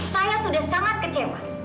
saya sudah sangat kecewa